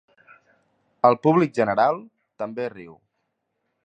El públic general també riu.